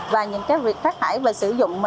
và những việc tác hại về sử dụng